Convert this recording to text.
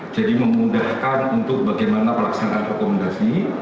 jadi memudahkan untuk bagaimana pelaksanaan rekomendasi